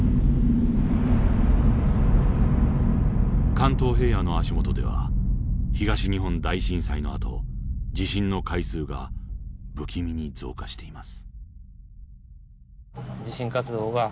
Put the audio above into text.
関東平野の足元では東日本大震災のあと地震の回数が不気味に増加しています。